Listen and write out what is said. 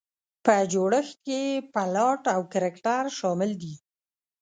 په جوړښت کې یې پلاټ او کرکټر شامل دي.